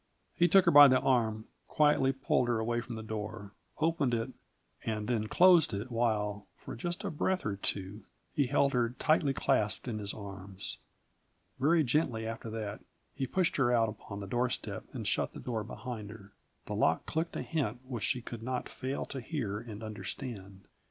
He took her by the arm, quietly pulled her away from the door, opened it, and then closed it while, for just a breath or two, he held her tightly clasped in his arms. Very gently, after that, he pushed her out upon the doorstep and shut the door behind her. The lock clicked a hint which she could not fail to hear and understand.